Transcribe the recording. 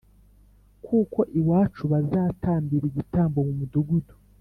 kuko iwacu bazatambira igitambo mu mudugudu